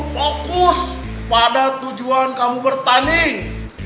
fokus pada tujuan kamu bertanding